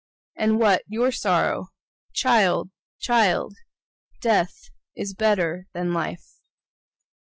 And what your sorrow? Child! Child Death is better than Life.